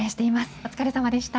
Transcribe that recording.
お疲れさまでした。